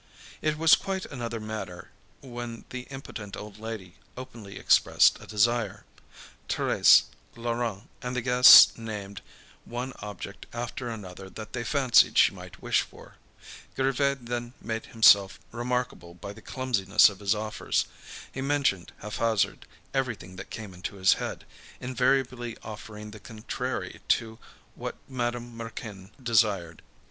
It was quite another matter when the impotent old lady openly expressed a desire; Thérèse, Laurent, and the guests named one object after another that they fancied she might wish for. Grivet then made himself remarkable by the clumsiness of his offers. He mentioned, haphazard, everything that came into his head, invariably offering the contrary to what Madame Raquin desired.